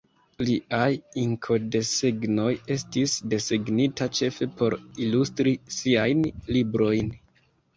Liaj inkodesegnoj estis desegnita ĉefe por ilustri siajn librojn.